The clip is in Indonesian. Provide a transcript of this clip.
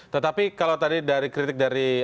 tetapi kalau tadi dari kritik dari